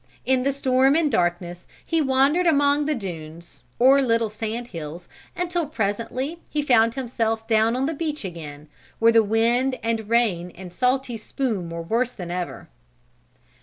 In the storm and darkness he wandered among the dunes, or little sand hills, until presently he found himself down on the beach again, where the wind and rain and salty spume were worse than ever.